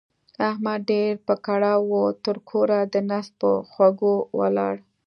احمد ډېر په کړاو وو؛ تر کوره د نس په خوږو ولاړ.